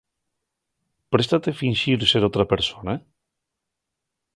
¿Préstate finxir ser otra persona?